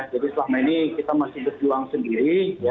jadi selama ini kita masih berjuang sendiri